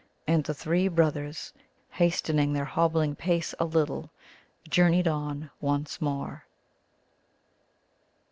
And the three brothers, hastening their hobbling pace a little, journeyed on once more.